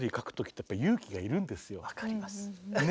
分かります。ね？